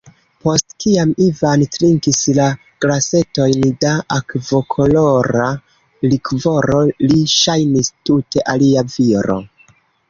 Post kiam Ivan trinkis la glasetojn da akvokolora likvoro, li ŝajnis tute alia viro.